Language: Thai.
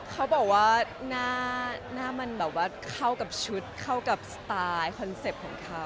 เขาบอกว่าหน้ามันแบบว่าเข้ากับชุดเข้ากับสไตล์คอนเซ็ปต์ของเขา